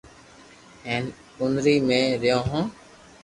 ھون ڪنري مي ريون هون